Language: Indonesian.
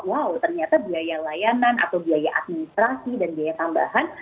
wow ternyata biaya layanan atau biaya administrasi dan biaya tambahan